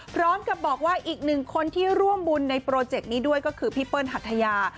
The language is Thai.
พร้อมกับบอกว่าอีกหนึ่งคนที่ร่วมบุญในโปรเจกต์นี้ด้วยก็คือพี่เปิ้ลหัทยา